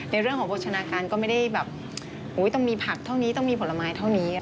ในเรื่องของโภชนาการก็ไม่ได้แบบต้องมีผักเท่านี้ต้องมีผลไม้เท่านี้